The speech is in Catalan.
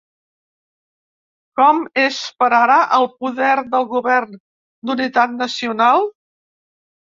Com és per ara el poder del govern d'unitat nacional?